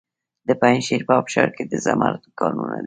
د پنجشیر په ابشار کې د زمرد کانونه دي.